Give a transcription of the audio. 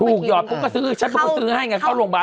ถูกหยอดเขาก็ซื้อฉันก็ซื้อให้ไงเข้าโรงพยาบาล